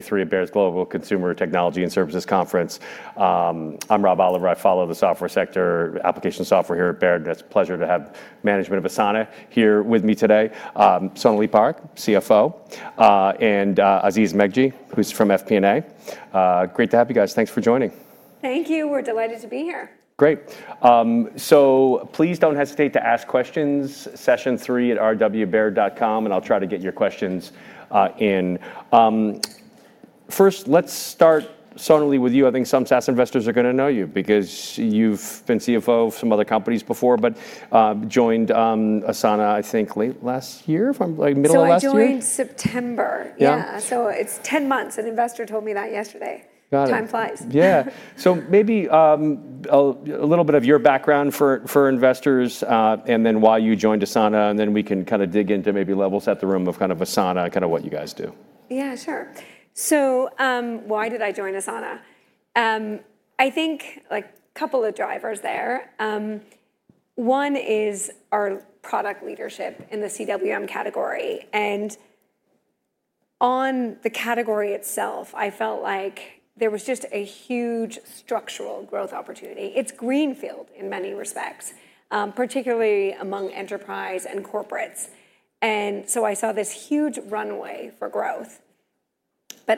Three at Baird's Global Consumer Technology and Services Conference. I'm Rob Oliver. I follow the software sector, application software here at Baird. It's a pleasure to have management of Asana here with me today. Sonalee Parekh, CFO, and Aziz Megji, who's from FP&A. Great to have you guys. Thanks for joining. Thank you. We're delighted to be here. Great. Please do not hesitate to ask questions. Session three at rwbaird.com, and I'll try to get your questions in. First, let's start, Sonalee, with you. I think some SaaS investors are going to know you because you've been CFO of some other companies before, but joined Asana, I think, late last year, if I'm right, middle of last year. I joined September. Yeah. Yeah. So it's 10 months. An investor told me that yesterday. Got it. Time flies. Yeah. So maybe a little bit of your background for investors, and then why you joined Asana, and then we can kind of dig into maybe levels at the room of kind of Asana, kind of what you guys do. Yeah, sure. So, why did I join Asana? I think, like, a couple of drivers there. One is our product leadership in the CWM category. And on the category itself, I felt like there was just a huge structural growth opportunity. It's greenfield in many respects, particularly among enterprise and corporates. I saw this huge runway for growth.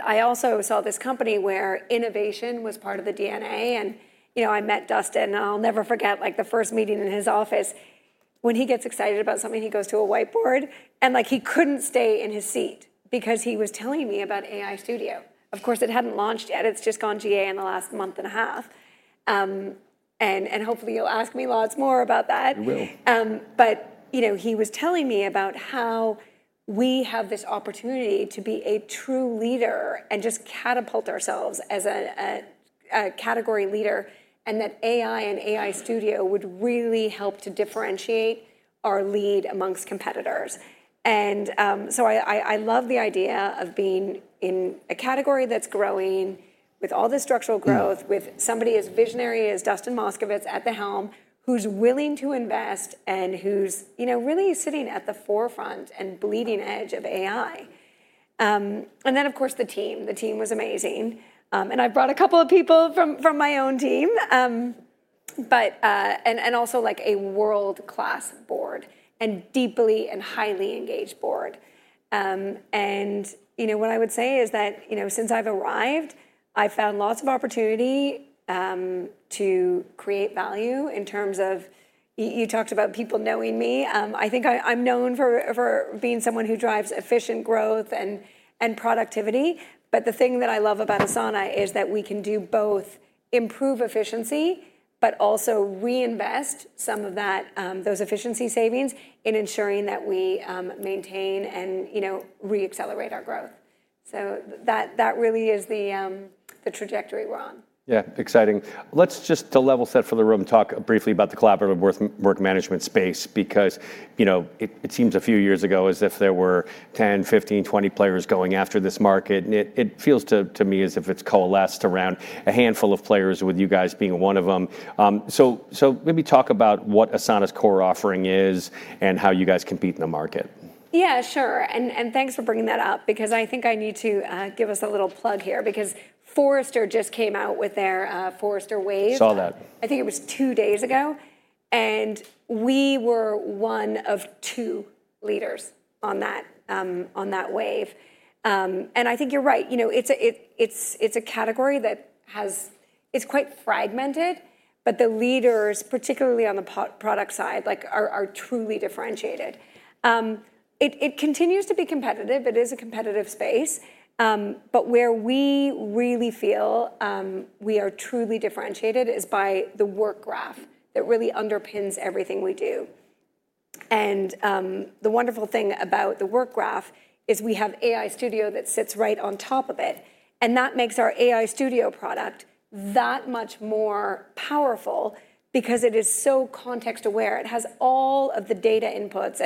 I also saw this company where innovation was part of the DNA. You know, I met Dustin, and I'll never forget, like, the first meeting in his office. When he gets excited about something, he goes to a whiteboard, and, like, he couldn't stay in his seat because he was telling me about AI Studio. Of course, it hadn't launched yet. It's just gone GA in the last month and a half, and hopefully you'll ask me lots more about that. I will. But, you know, he was telling me about how we have this opportunity to be a true leader and just catapult ourselves as a category leader and that AI and AI Studio would really help to differentiate our lead amongst competitors. I love the idea of being in a category that's growing with all this structural growth, with somebody as visionary as Dustin Moskovitz at the helm, who's willing to invest and who's, you know, really sitting at the forefront and bleeding edge of AI. And then, of course, the team. The team was amazing. I brought a couple of people from my own team, and also, like, a world-class board and deeply and highly engaged board. And, you know, what I would say is that, you know, since I've arrived, I've found lots of opportunity to create value in terms of, you, you talked about people knowing me. I think I, I'm known for being someone who drives efficient growth and productivity. But the thing that I love about Asana is that we can do both, improve efficiency, but also reinvest some of that, those efficiency savings in ensuring that we maintain and, you know, re-accelerate our growth. That really is the trajectory we're on. Yeah. Exciting. Let's just, to level set for the room, talk briefly about the collaborative work management space, because, you know, it seems a few years ago as if there were 10, 15, 20 players going after this market. And it feels to me as if it's coalesced around a handful of players, with you guys being one of them. So maybe talk about what Asana's core offering is and how you guys compete in the market. Yeah, sure. Thanks for bringing that up because I think I need to give us a little plug here because Forrester just came out with their Forrester Wave. Saw that. I think it was two days ago, and we were one of two leaders on that, on that wave. I think you're right. You know, it's a, it's a category that has, it's quite fragmented, but the leaders, particularly on the product side, like, are truly differentiated. It continues to be competitive. It is a competitive space. Where we really feel we are truly differentiated is by the Work Graph that really underpins everything we do. The wonderful thing about the Work Graph is we have AI Studio that sits right on top of it, and that makes our AI Studio product that much more powerful because it is so context aware. It has all of the data inputs.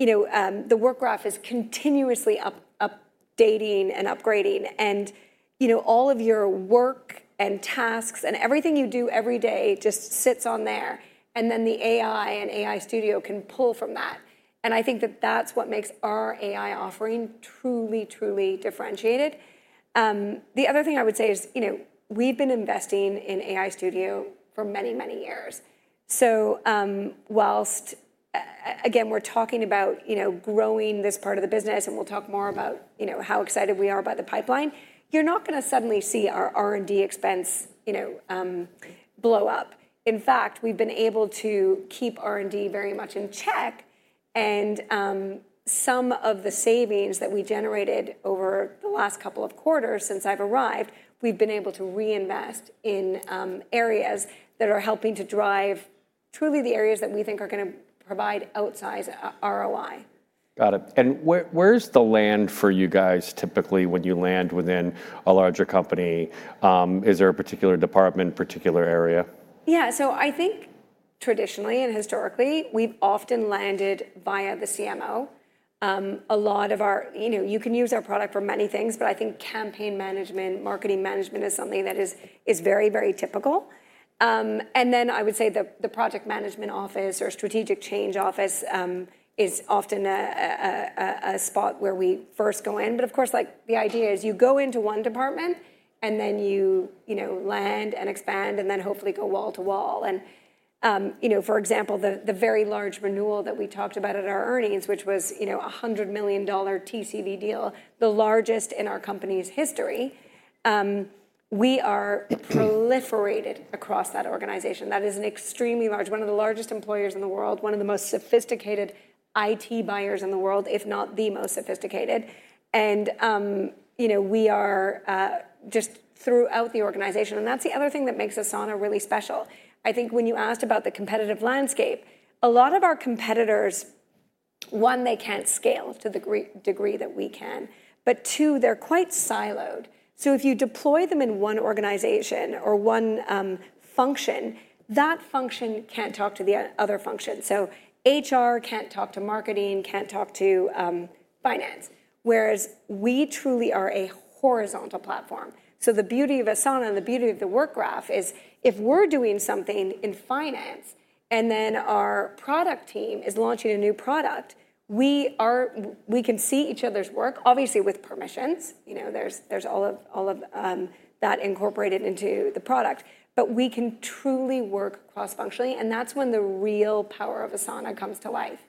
You know, the Work Graph is continuously updating and upgrading. You know, all of your work and tasks and everything you do every day just sits on there. Then the AI and AI Studio can pull from that. I think that that's what makes our AI offering truly, truly differentiated. The other thing I would say is, you know, we've been investing in AI Studio for many, many years. Whilst, again, we're talking about, you know, growing this part of the business, and we'll talk more about, you know, how excited we are about the pipeline, you're not going to suddenly see our R&D expense, you know, blow up. In fact, we've been able to keep R&D very much in check. Some of the savings that we generated over the last couple of quarters since I've arrived, we've been able to reinvest in areas that are helping to drive truly the areas that we think are going to provide outsized ROI. Got it. Where's the land for you guys typically when you land within a larger company? Is there a particular department, particular area? Yeah. I think traditionally and historically, we've often landed via the CMO. A lot of our, you know, you can use our product for many things, but I think campaign management, marketing management is something that is very, very typical. I would say the project management office or strategic change office is often a spot where we first go in. Of course, the idea is you go into one department and then you, you know, land and expand and then hopefully go wall to wall. You know, for example, the very large renewal that we talked about at our earnings, which was a $100 million TCV deal, the largest in our company's history, we are proliferated across that organization. That is an extremely large, one of the largest employers in the world, one of the most sophisticated IT buyers in the world, if not the most sophisticated. You know, we are, just throughout the organization. That is the other thing that makes Asana really special. I think when you asked about the competitive landscape, a lot of our competitors, one, they cannot scale to the degree that we can, but two, they are quite siloed. If you deploy them in one organization or one function, that function cannot talk to the other function. HR cannot talk to marketing, cannot talk to finance, whereas we truly are a horizontal platform. The beauty of Asana and the beauty of the Work Graph is if we're doing something in finance and then our product team is launching a new product, we are, we can see each other's work, obviously with permissions. You know, there's all of that incorporated into the product, but we can truly work cross-functionally. That's when the real power of Asana comes to life.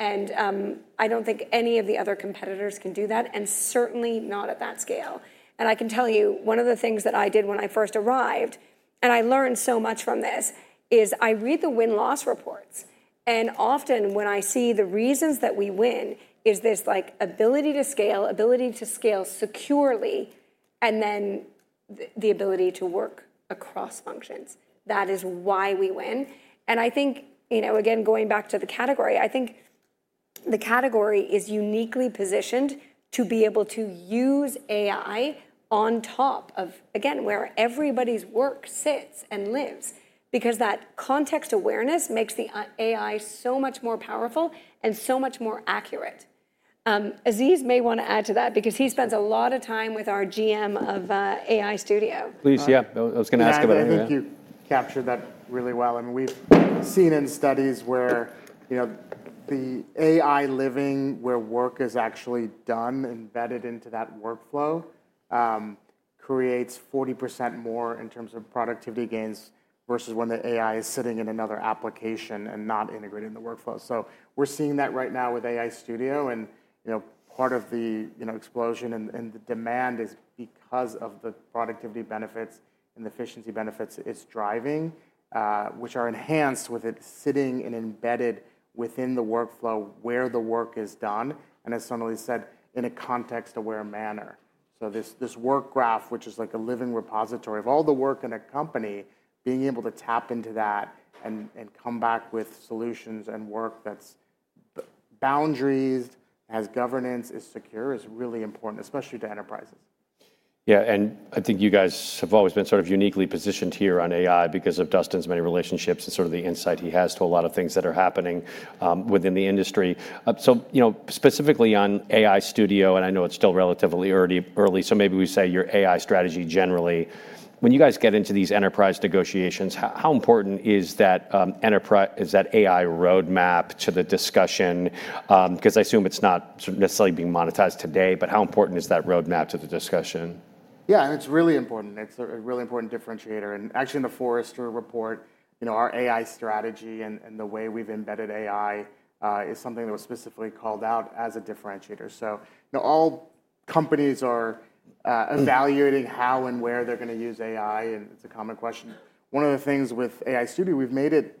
I don't think any of the other competitors can do that, and certainly not at that scale. I can tell you, one of the things that I did when I first arrived, and I learned so much from this, is I read the win-loss reports. Often when I see the reasons that we win is this, like, ability to scale, ability to scale securely, and then the ability to work across functions. That is why we win. I think, you know, again, going back to the category, I think the category is uniquely positioned to be able to use AI on top of, again, where everybody's work sits and lives, because that context awareness makes the AI so much more powerful and so much more accurate. Aziz may want to add to that because he spends a lot of time with our GM of AI Studio. Please. Yeah. I was going to ask about AI. I think you captured that really well. I mean, we've seen in studies where, you know, the AI living where work is actually done, embedded into that workflow, creates 40% more in terms of productivity gains versus when the AI is sitting in another application and not integrated in the workflow. We're seeing that right now with AI Studio. You know, part of the explosion and the demand is because of the productivity benefits and the efficiency benefits it's driving, which are enhanced with it sitting and embedded within the workflow where the work is done. As Sonalee said, in a context-aware manner. This work graph, which is like a living repository of all the work in a company, being able to tap into that and come back with solutions and work that's boundaries, has governance, is secure, is really important, especially to enterprises. Yeah. I think you guys have always been sort of uniquely positioned here on AI because of Dustin's many relationships and sort of the insight he has to a lot of things that are happening within the industry. So, you know, specifically on AI Studio, and I know it's still relatively early, early, so maybe we say your AI strategy generally, when you guys get into these enterprise negotiations, how important is that enterprise, is that AI roadmap to the discussion? Because I assume it's not necessarily being monetized today, but how important is that roadmap to the discussion? Yeah, and it's really important. It's a really important differentiator. Actually, in the Forrester report, you know, our AI strategy and the way we've embedded AI is something that was specifically called out as a differentiator. You know, all companies are evaluating how and where they're going to use AI. It's a common question. One of the things with AI Studio, we've made it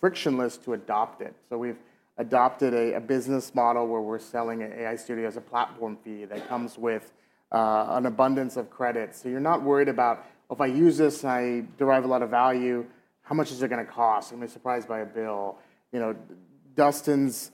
frictionless to adopt it. We've adopted a business model where we're selling AI Studio as a platform fee that comes with an abundance of credits. You're not worried about, well, if I use this and I derive a lot of value, how much is it going to cost? Am I surprised by a bill? You know, Dustin's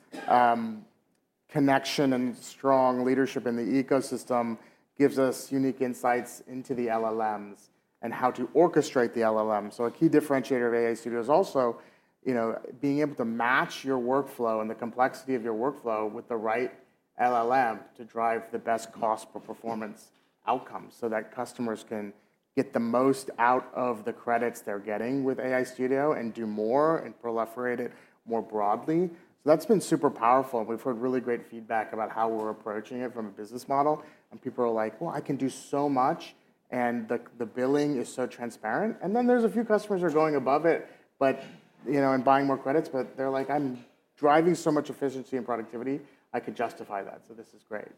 connection and strong leadership in the ecosystem gives us unique insights into the LLMs and how to orchestrate the LLMs. A key differentiator of AI Studio is also, you know, being able to match your workflow and the complexity of your workflow with the right LLM to drive the best cost-performance outcomes so that customers can get the most out of the credits they're getting with AI Studio and do more and proliferate it more broadly. That's been super powerful. We've heard really great feedback about how we're approaching it from a business model. People are like, well, I can do so much and the billing is so transparent. There are a few customers who are going above it, you know, and buying more credits, but they're like, I'm driving so much efficiency and productivity, I can justify that. This is great.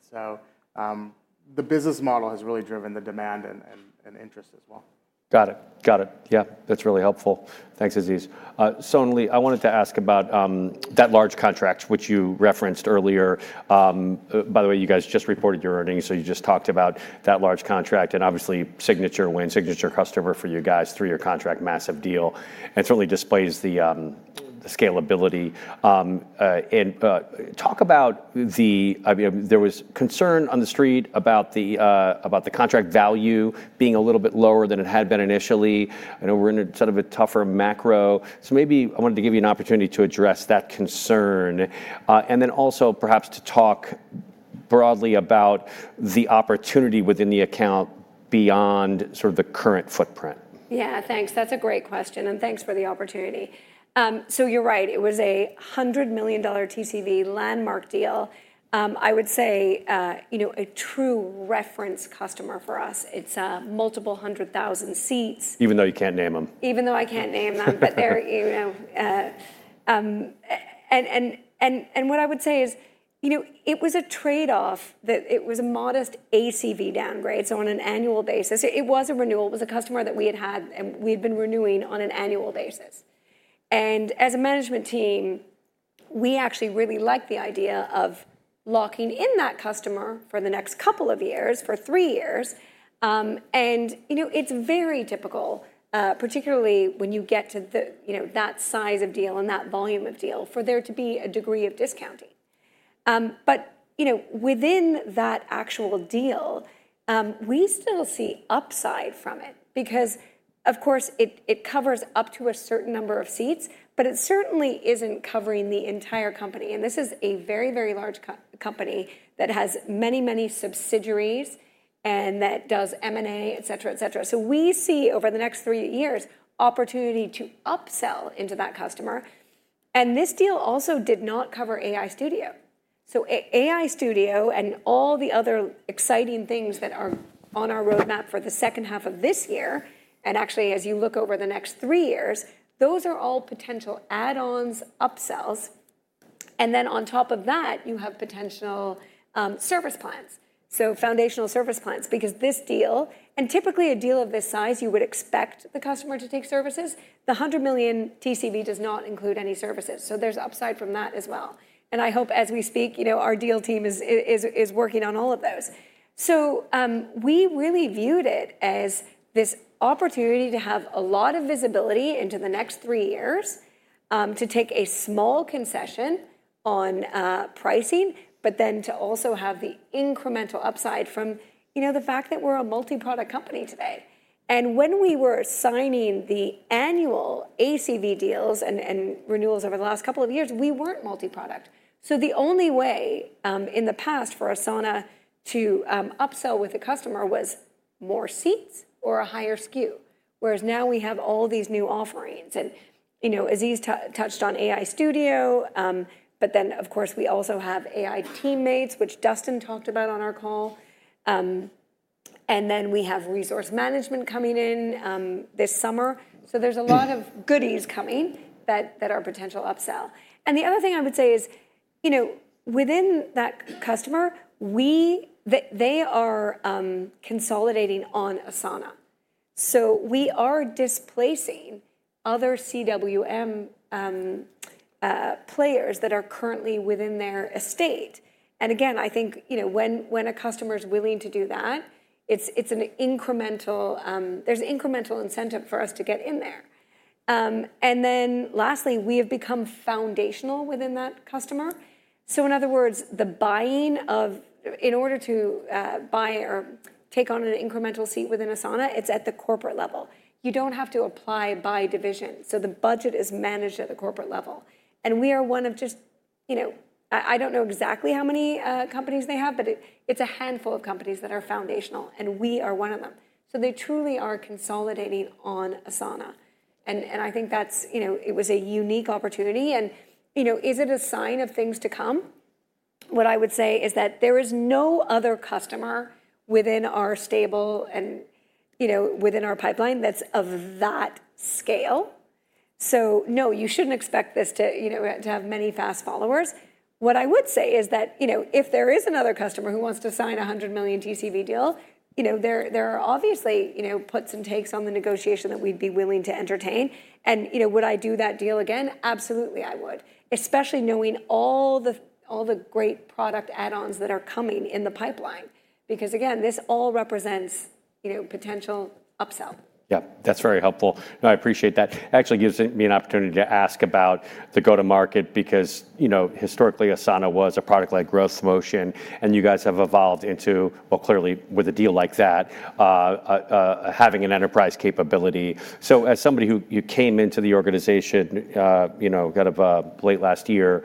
The business model has really driven the demand and interest as well. Got it. Got it. Yeah. That's really helpful. Thanks, Aziz. Sonalee, I wanted to ask about that large contract, which you referenced earlier. By the way, you guys just reported your earnings, so you just talked about that large contract and obviously signature win, signature customer for you guys through your contract, massive deal. And certainly displays the scalability. I mean, there was concern on the street about the contract value being a little bit lower than it had been initially. I know we're in sort of a tougher macro. Maybe I wanted to give you an opportunity to address that concern, and then also perhaps to talk broadly about the opportunity within the account beyond sort of the current footprint. Yeah, thanks. That's a great question. Thanks for the opportunity. You're right. It was a $100 million TCV landmark deal. I would say, you know, a true reference customer for us. It's multiple hundred thousand seats. Even though you can't name them. Even though I can't name them, but they're, you know, and what I would say is, you know, it was a trade-off that it was a modest ACV downgrade. On an annual basis, it was a renewal. It was a customer that we had had and we had been renewing on an annual basis. As a management team, we actually really liked the idea of locking in that customer for the next couple of years, for three years. You know, it's very typical, particularly when you get to that size of deal and that volume of deal for there to be a degree of discounting. You know, within that actual deal, we still see upside from it because of course it covers up to a certain number of seats, but it certainly isn't covering the entire company. This is a very, very large company that has many, many subsidiaries and that does M&A, etcetera, etcetera. We see over the next three years opportunity to upsell into that customer. This deal also did not cover AI Studio. AI Studio and all the other exciting things that are on our roadmap for the second half of this year, as you look over the next three years, those are all potential add-ons, upsells. On top of that, you have potential service plans, foundational service plans, because this deal, and typically a deal of this size, you would expect the customer to take services. The $100 million TCV does not include any services. There is upside from that as well. I hope as we speak, you know, our deal team is working on all of those. We really viewed it as this opportunity to have a lot of visibility into the next three years, to take a small concession on pricing, but then to also have the incremental upside from, you know, the fact that we're a multi-product company today. When we were signing the annual ACV deals and renewals over the last couple of years, we weren't multi-product. The only way in the past for Asana to upsell with the customer was more seats or a higher SKU. Whereas now we have all these new offerings and, you know, Aziz touched on AI Studio, but then of course we also have AI Teammates, which Dustin talked about on our call. We have resource management coming in this summer. There's a lot of goodies coming that are potential upsell. The other thing I would say is, you know, within that customer, they are consolidating on Asana. We are displacing other CWM players that are currently within their estate. I think, you know, when a customer is willing to do that, there's an incremental incentive for us to get in there. Lastly, we have become foundational within that customer. In other words, in order to buy or take on an incremental seat within Asana, it's at the corporate level. You do not have to apply by division. The budget is managed at the corporate level. We are one of just, you know, I do not know exactly how many companies they have, but it is a handful of companies that are foundational and we are one of them. They truly are consolidating on Asana. I think that's, you know, it was a unique opportunity. You know, is it a sign of things to come? What I would say is that there is no other customer within our stable and, you know, within our pipeline that's of that scale. No, you shouldn't expect this to, you know, to have many fast followers. What I would say is that, you know, if there is another customer who wants to sign a $100 million TCV deal, you know, there are obviously, you know, puts and takes on the negotiation that we'd be willing to entertain. You know, would I do that deal again? Absolutely. I would, especially knowing all the great product add-ons that are coming in the pipeline, because again, this all represents, you know, potential upsell. Yeah, that's very helpful. No, I appreciate that. It actually gives me an opportunity to ask about the go-to-market because, you know, historically Asana was a product-led growth motion and you guys have evolved into, well, clearly with a deal like that, having an enterprise capability. As somebody who came into the organization, you know, kind of late last year,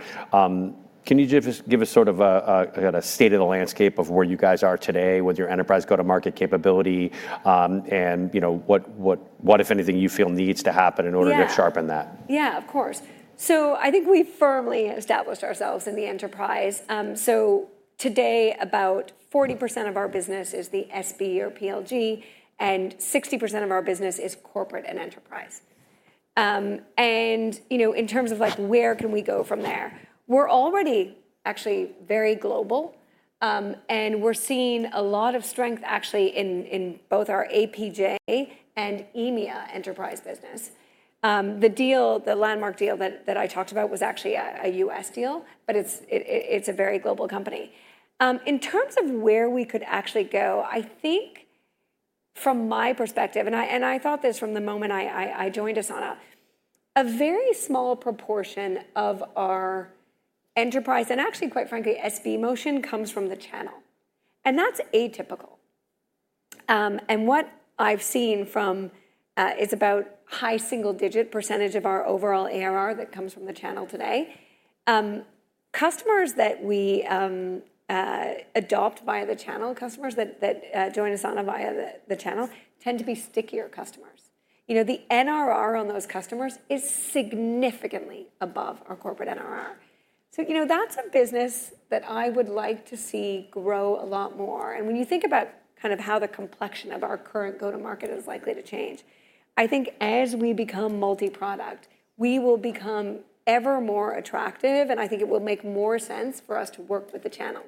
can you just give us sort of a state of the landscape of where you guys are today with your enterprise go-to-market capability? You know, what, if anything, you feel needs to happen in order to sharpen that? Yeah, of course. I think we firmly established ourselves in the enterprise. Today about 40% of our business is the SB or PLG and 60% of our business is corporate and enterprise. You know, in terms of like, where can we go from there? We're already actually very global. We're seeing a lot of strength actually in both our APJ and EMEA enterprise business. The deal, the landmark deal that I talked about was actually a US deal, but it's a very global company. In terms of where we could actually go, I think from my perspective, and I thought this from the moment I joined Asana, a very small proportion of our enterprise and actually, quite frankly, SB motion comes from the channel. That's atypical. What I've seen is about high single-digit percentage of our overall ARR that comes from the channel today. Customers that we adopt via the channel, customers that join us via the channel, tend to be stickier customers. You know, the NRR on those customers is significantly above our corporate NRR. You know, that's a business that I would like to see grow a lot more. When you think about kind of how the complexion of our current go-to-market is likely to change, I think as we become multi-product, we will become ever more attractive. I think it will make more sense for us to work with the channel,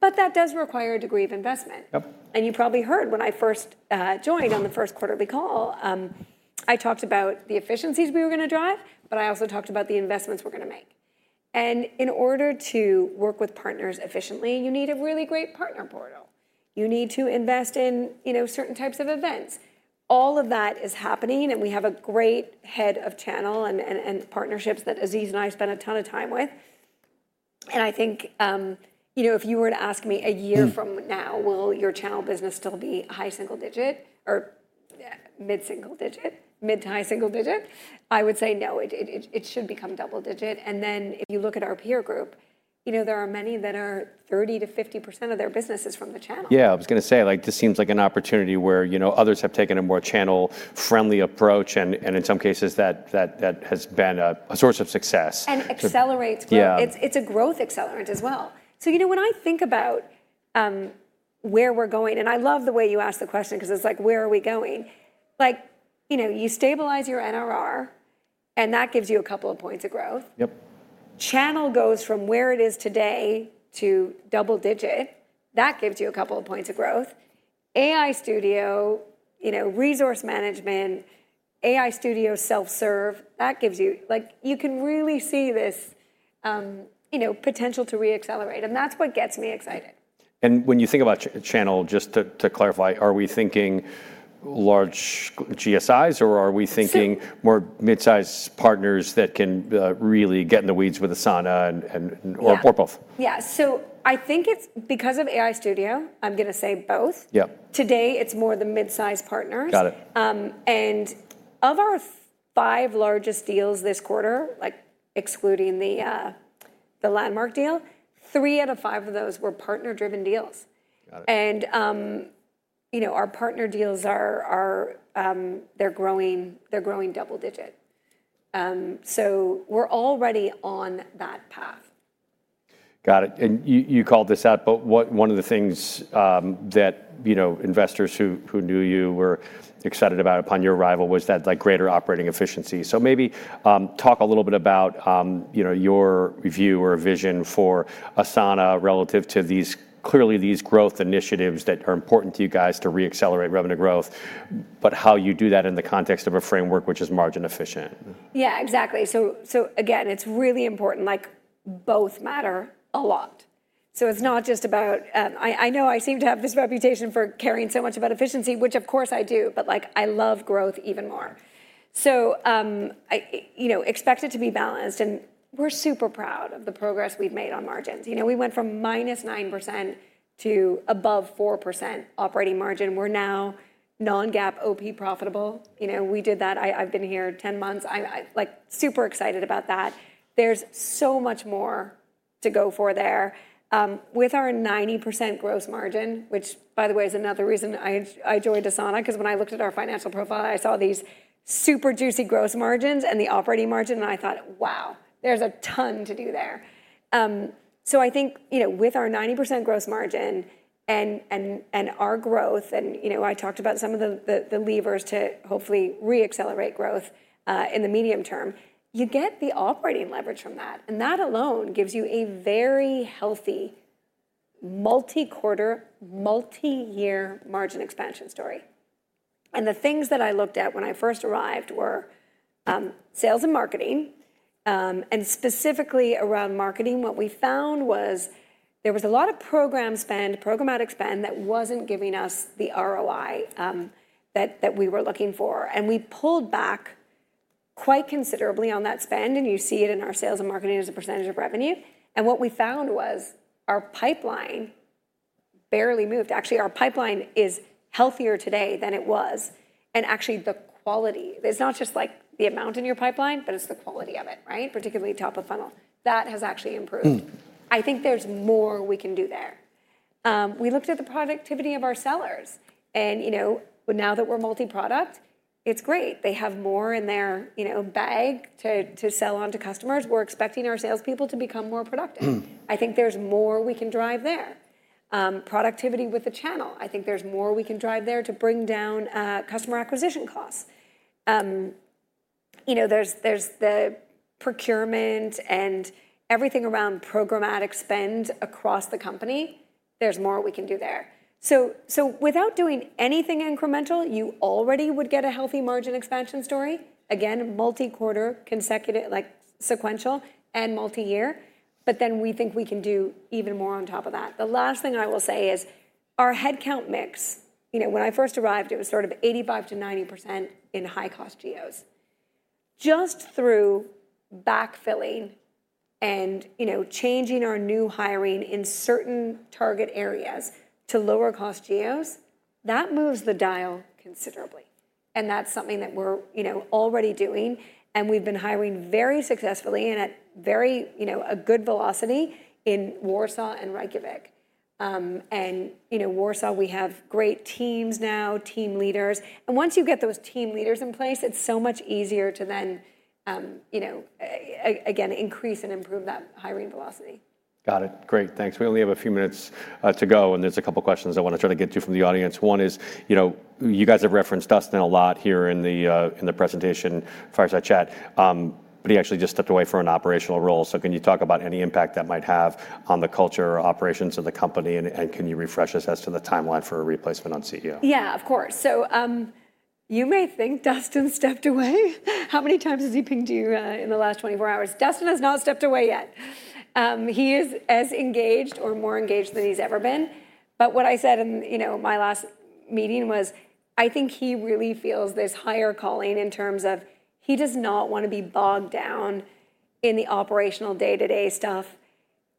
but that does require a degree of investment. Yep. You probably heard when I first joined on the first quarterly call, I talked about the efficiencies we were going to drive, but I also talked about the investments we're going to make. In order to work with partners efficiently, you need a really great partner portal. You need to invest in, you know, certain types of events. All of that is happening. We have a great head of channel and partnerships that Aziz and I spend a ton of time with. I think, you know, if you were to ask me a year from now, will your channel business still be high single-digit or mid-single-digit, mid-to-high single-digit? I would say no, it should become double-digit. If you look at our peer group, you know, there are many that are 30-50% of their businesses from the channel. Yeah, I was going to say, like, this seems like an opportunity where, you know, others have taken a more channel-friendly approach and, in some cases, that has been a source of success. It accelerates growth. It's a growth accelerant as well. You know, when I think about where we're going, and I love the way you asked the question because it's like, where are we going? Like, you know, you stabilize your NRR and that gives you a couple of points of growth. Yep. Channel goes from where it is today to double-digit. That gives you a couple of points of growth. AI Studio, you know, resource management, AI Studio self-serve, that gives you, like, you can really see this, you know, potential to re-accelerate. That is what gets me excited. When you think about channel, just to clarify, are we thinking large GSIs or are we thinking more mid-sized partners that can really get in the weeds with Asana and, or both? Yeah. I think it's because of AI Studio, I'm going to say both. Yep. Today it's more the mid-sized partners. Got it. Of our five largest deals this quarter, excluding the landmark deal, three out of five of those were partner-driven deals. Got it. You know, our partner deals are, they're growing, they're growing double-digit, so we're already on that path. Got it. You called this out, but one of the things that, you know, investors who knew you were excited about upon your arrival was that greater operating efficiency. Maybe talk a little bit about, you know, your view or vision for Asana relative to these, clearly these growth initiatives that are important to you guys to re-accelerate revenue growth, but how you do that in the context of a framework which is margin efficient. Yeah, exactly. Again, it's really important, like both matter a lot. It's not just about, I know I seem to have this reputation for caring so much about efficiency, which of course I do, but like, I love growth even more. I expect it to be balanced and we're super proud of the progress we've made on margins. We went from minus 9% to above 4% operating margin. We're now non-GAAP OP profitable. We did that. I've been here 10 months. I'm like super excited about that. There's so much more to go for there. With our 90% gross margin, which by the way is another reason I joined Asana, 'cause when I looked at our financial profile, I saw these super juicy gross margins and the operating margin and I thought, wow, there's a ton to do there. I think, you know, with our 90% gross margin and our growth and, you know, I talked about some of the levers to hopefully re-accelerate growth, in the medium term, you get the operating leverage from that. That alone gives you a very healthy multi-quarter, multi-year margin expansion story. The things that I looked at when I first arrived were sales and marketing, and specifically around marketing. What we found was there was a lot of program spend, programmatic spend that wasn't giving us the ROI that we were looking for. We pulled back quite considerably on that spend. You see it in our sales and marketing as a percentage of revenue. What we found was our pipeline barely moved. Actually, our pipeline is healthier today than it was. Actually, the quality, it's not just like the amount in your pipeline, but it's the quality of it, right? Particularly top of funnel that has actually improved. I think there's more we can do there. We looked at the productivity of our sellers and, you know, now that we're multi-product, it's great. They have more in their, you know, bag to sell onto customers. We're expecting our salespeople to become more productive. I think there's more we can drive there. Productivity with the channel. I think there's more we can drive there to bring down customer acquisition costs. You know, there's the procurement and everything around programmatic spend across the company. There's more we can do there. Without doing anything incremental, you already would get a healthy margin expansion story. Again, multi-quarter consecutive, like sequential and multi-year. We think we can do even more on top of that. The last thing I will say is our headcount mix, you know, when I first arrived, it was sort of 85%-90% in high-cost GEOs. Just through backfilling and, you know, changing our new hiring in certain target areas to lower-cost GEOs, that moves the dial considerably. That's something that we're, you know, already doing. We've been hiring very successfully and at very, you know, a good velocity in Warsaw and Reykjavik. You know, Warsaw, we have great teams now, team leaders. Once you get those team leaders in place, it's so much easier to then, you know, again, increase and improve that hiring velocity. Got it. Great. Thanks. We only have a few minutes to go and there's a couple of questions I want to try to get to from the audience. One is, you know, you guys have referenced Dustin a lot here in the presentation fireside chat, but he actually just stepped away for an operational role. Can you talk about any impact that might have on the culture or operations of the company? And can you refresh us as to the timeline for a replacement on CEO? Yeah, of course. You may think Dustin stepped away. How many times has he pinged you in the last 24 hours? Dustin has not stepped away yet. He is as engaged or more engaged than he's ever been. What I said in my last meeting was, I think he really feels this higher calling in terms of he does not want to be bogged down in the operational day-to-day stuff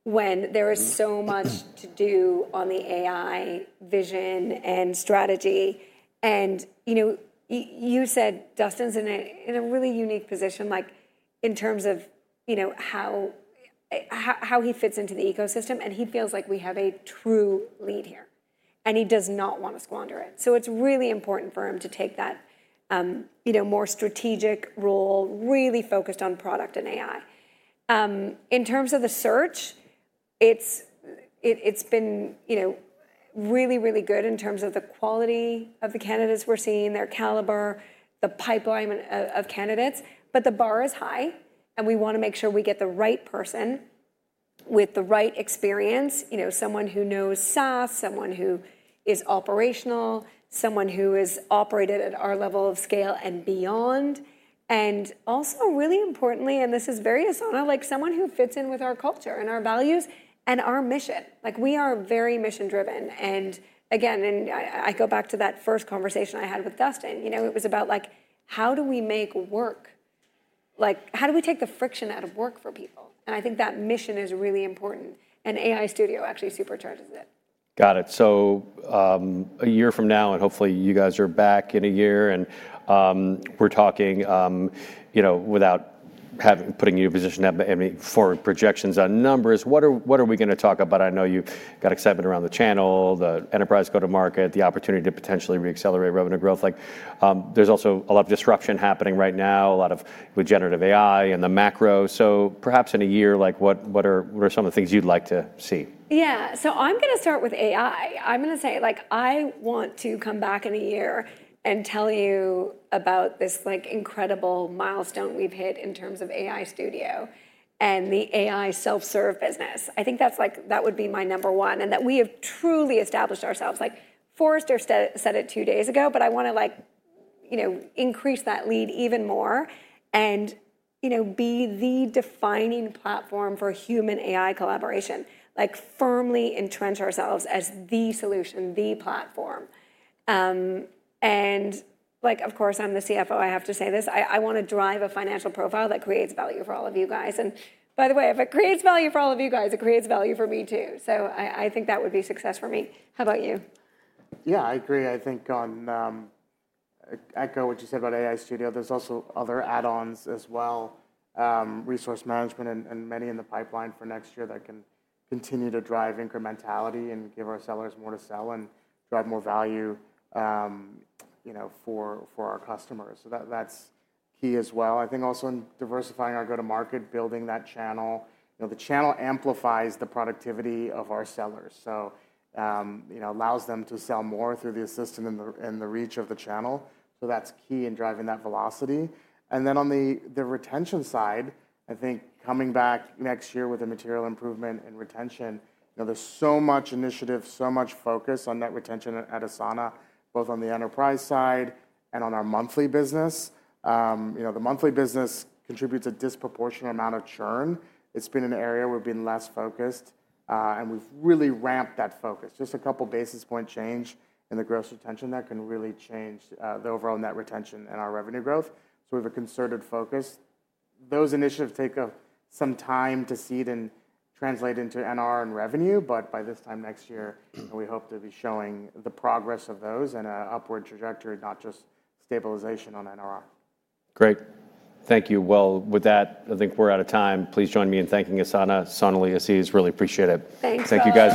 when there is so much to do on the AI vision and strategy. You said Dustin's in a really unique position, like in terms of how he fits into the ecosystem. He feels like we have a true lead here and he does not want to squander it. It's really important for him to take that, you know, more strategic role, really focused on product and AI. In terms of the search, it's been, you know, really, really good in terms of the quality of the candidates we're seeing, their caliber, the pipeline of candidates, but the bar is high and we want to make sure we get the right person with the right experience, you know, someone who knows SaaS, someone who is operational, someone who has operated at our level of scale and beyond. Also really importantly, and this is very Asana, like someone who fits in with our culture and our values and our mission. Like we are very mission-driven. I go back to that first conversation I had with Dustin, you know, it was about like, how do we make work, like how do we take the friction out of work for people? I think that mission is really important and AI Studio actually supercharges it. Got it. So, a year from now and hopefully you guys are back in a year and we're talking, you know, without having, putting you in a position to have any forward projections on numbers, what are we going to talk about? I know you got excitement around the channel, the enterprise go-to-market, the opportunity to potentially re-accelerate revenue growth. Like, there's also a lot of disruption happening right now, a lot of with generative AI and the macro. Perhaps in a year, like what are some of the things you'd like to see? Yeah. I'm going to start with AI. I'm going to say like, I want to come back in a year and tell you about this like incredible milestone we've hit in terms of AI Studio and the AI self-serve business. I think that's like, that would be my number one and that we have truly established ourselves. Like Forrester said, said it two days ago, but I want to like, you know, increase that lead even more and, you know, be the defining platform for human AI collaboration, like firmly entrench ourselves as the solution, the platform. Of course, I'm the CFO. I have to say this. I want to drive a financial profile that creates value for all of you guys. By the way, if it creates value for all of you guys, it creates value for me too. I think that would be success for me. How about you? Yeah, I agree. I think on, echo what you said about AI Studio, there's also other add-ons as well, resource management and many in the pipeline for next year that can continue to drive incrementality and give our sellers more to sell and drive more value, you know, for our customers. That, that's key as well. I think also in diversifying our go-to-market, building that channel, you know, the channel amplifies the productivity of our sellers. You know, allows them to sell more through the assistant and the reach of the channel. That's key in driving that velocity. On the retention side, I think coming back next year with a material improvement in retention, you know, there's so much initiative, so much focus on net retention at Asana, both on the enterprise side and on our monthly business. You know, the monthly business contributes a disproportionate amount of churn. It's been an area we've been less focused, and we've really ramped that focus. Just a couple basis point change in the gross retention, that can really change the overall net retention and our revenue growth. We have a concerted focus. Those initiatives take some time to seed and translate into NRR and revenue, but by this time next year, we hope to be showing the progress of those and an upward trajectory, not just stabilization on NRR. Great. Thank you. With that, I think we're out of time. Please join me in thanking Asana. Sonalee, Aziz, really appreciate it. Thanks. Thank you.